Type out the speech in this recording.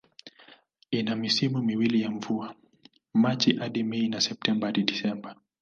Ina misimu miwili ya mvua, Machi hadi Mei na Septemba hadi Disemba.